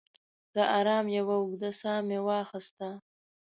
د ارام یوه اوږده ساه مې واخیسته.